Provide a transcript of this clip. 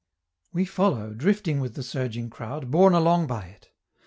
We follow, drifting with the surging crowd, borne along by it.